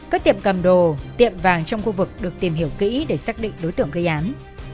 các tiệm cầm đồ tiệm vàng trong khu vực được tìm hiểu kỹ để xác định đối tượng gây án